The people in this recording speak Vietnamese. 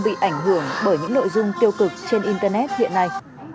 bị ảnh hưởng bởi những nội dung tiêu cực trên internet hiện nay